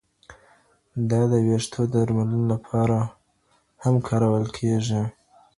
دا د وېښتو درملنې لپاره هم کارول کېږي.